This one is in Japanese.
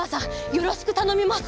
よろしくたのみます！